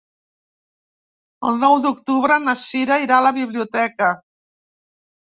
El nou d'octubre na Cira irà a la biblioteca.